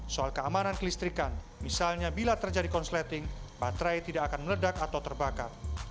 soal keamanan kelistrikan misalnya bila terjadi konsleting baterai tidak akan meledak atau terbakar